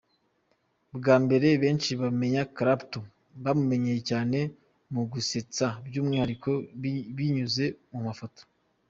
Bwa mbere benshi bamenya Clapton bamumenyeye cyane mu gusetsa by’umwihariko binyuze mu mafoto.